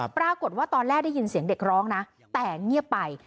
ปรากฏว่าตอนแรกได้ยินเสียงเด็กร้องนะแต่เงียบไป